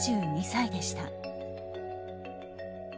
７２歳でした。